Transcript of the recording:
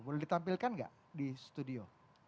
boleh ditampilkan nggak di studio